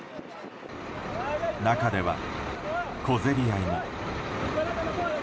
中では、小競り合いも。